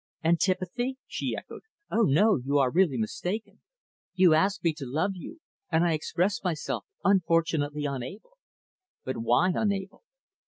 "Antipathy!" she echoed. "Oh, no, you are really mistaken. You ask me to love you, and I express myself unfortunately unable." "But why unable?"